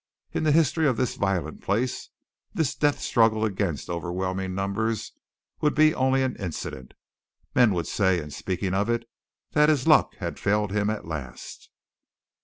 In the history of this violent place, this death struggle against overwhelming numbers would be only an incident. Men would say, in speaking of it, that his luck failed him at last.